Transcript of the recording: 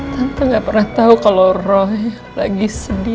tante gak pernah tahu kalau roh lagi sedih